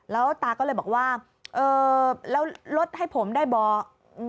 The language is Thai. แล้วตาก็เลยบอกว่าเออแล้วลดให้ผมได้บอก